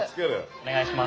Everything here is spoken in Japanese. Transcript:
お願いします。